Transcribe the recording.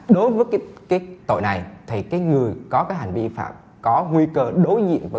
đối với cái tội này thì cái người có cái hành vi phạt có nguy cơ đối diện với